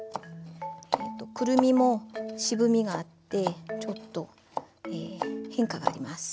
クルミも渋みがあってちょっと変化があります。